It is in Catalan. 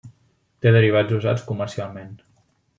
Té derivats usats comercialment.